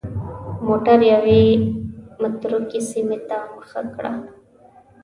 موټر یوې متروکې سیمې ته مخه کړه.